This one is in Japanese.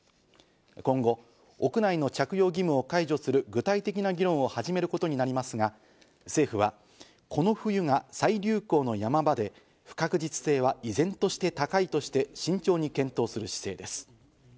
今後、屋内の着用義務を解除する具体的な議論を始めることになりますが、政府はこの冬は再流行の山場で不確実性は依然として高いとして慎重に検討する姿勢です。